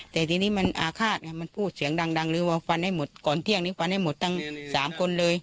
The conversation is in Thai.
แต่ทีนี้มันอาฆาตไงมันพูดเสียงดังหรือว่าฟันให้หมดก่อนเที่ยงนี้ฟันให้หมดทั้ง๓คนเลย